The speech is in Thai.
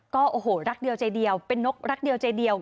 ก็โอ้โหรักเดียวใจเดียวเป็นนกรักเดียวใจเดียว